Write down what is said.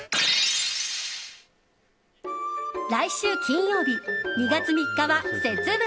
来週金曜日、２月３日は節分。